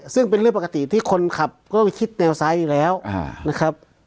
ซึ่งเป็นเรื่องปกติที่คนขับก็คิดเลวซ้ายอยู่แล้วนะครับ